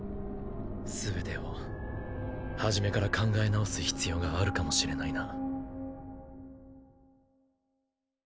全てを始めから考え直す必要があるかもしれないな。